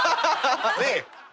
ねえ。